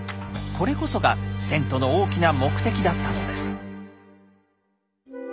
これこそが遷都の大きな目的だったのです。